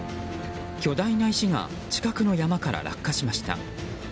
巨大な石が近くの山から落下しました。